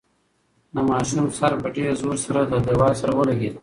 د ماشوم سر په ډېر زور سره له دېوال سره ولګېد.